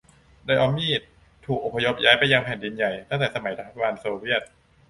ไดออมีด ถูกอพยพย้ายไปยังแผ่นดินใหญ่ตั้งแต่สมัยรัฐบาลโซเวียต